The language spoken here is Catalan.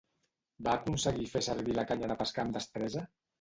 Va aconseguir fer servir la canya de pescar amb destresa?